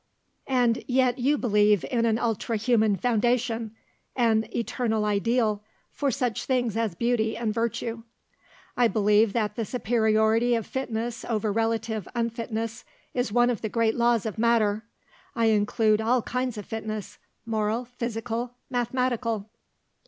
"And yet you believe in an ultra human foundation, an eternal ideal for such things as beauty and virtue." "I believe that the superiority of fitness over relative unfitness is one of the great laws of matter. I include all kinds of fitness, moral, physical, mathematical."